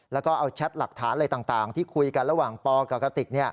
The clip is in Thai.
แล้วก็เอาแชทหลักฐานอะไรต่างที่คุยกันระหว่างปกับกติก